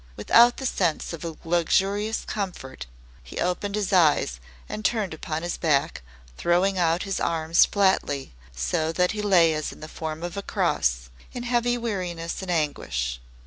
Without the sense of luxurious comfort he opened his eyes and turned upon his back, throwing out his arms flatly, so that he lay as in the form of a cross, in heavy weariness and anguish.